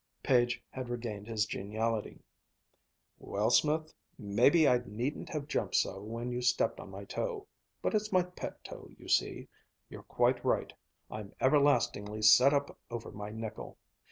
Page had regained his geniality. "Well, Smith, maybe I needn't have jumped so when you stepped on my toe. But it's my pet toe, you see. You're quite right I'm everlastingly set up over my nickel.